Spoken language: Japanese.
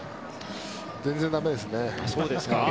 全然だめですね。